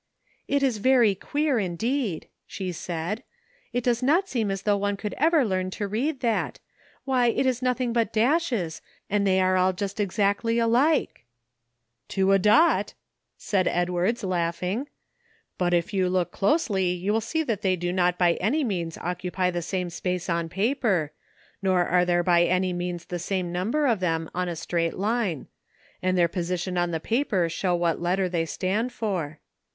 *' It is very queer indeed," she said ; "it does not seem as though one could ever learn to read tliat. Why, it is nothing but dashes, and they are just exactly alike." "To a dot! " said Edwards, laughing; "but LEARNING. 251 3f you look closely you will see that they do not by any means occupy the same space on paper, nor are there by any means the same number of them on a straight line ; and their position on the paper show what letter they stand for."